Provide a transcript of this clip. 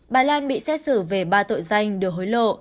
bà lan bị xét xử về ba tội danh đưa hối lộ